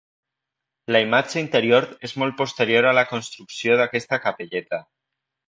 La imatge interior és molt posterior a la construcció d'aquesta capelleta.